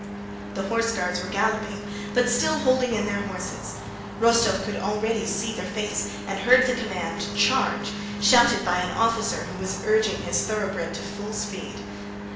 The Horse Guards were galloping, but still holding in their horses. Rostóv could already see their faces and heard the command: "Charge!" shouted by an officer who was urging his thoroughbred to full speed.